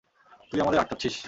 তুই আমাদের আটকাচ্ছিস।